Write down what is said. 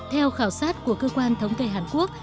theo khảo sát của cơ quan thống kê hàn quốc